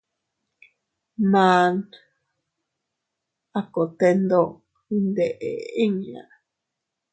Maan a kote ndo iyndeʼe inña.